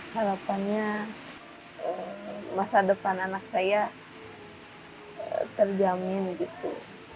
harapannya masa depan anak saya terjamin gitu